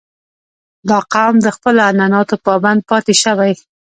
• دا قوم د خپلو عنعناتو پابند پاتې شوی.